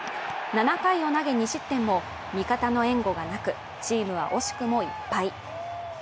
７回を投げ２失点も、味方の援護がなく、チームは惜しくも１敗。